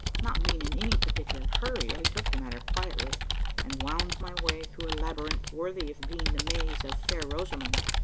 Not being in any particular hurry, I took the matter quietly; and wound my way through a labyrinth worthy of being the maze of Fair Rosamond.